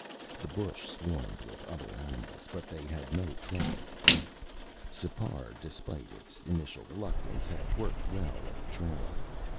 The bush swarmed with other animals, but they had no trouble with them. Sipar, despite its initial reluctance, had worked well at the trailing.